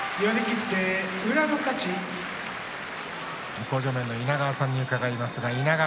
向正面の稲川さんに伺います。